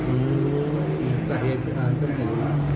อืมสาเหตุก็ไม่รู้